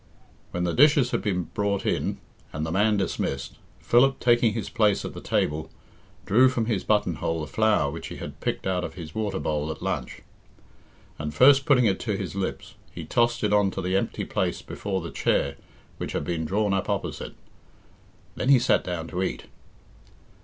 When the dishes had been brought in and the man dismissed, Philip, taking his place at the table, drew from his button hole a flower which he had picked out of his water bowl at lunch, and, first putting it to his lips, he tossed it on to the empty place before the chair which had been drawn up opposite. Then he sat down to eat.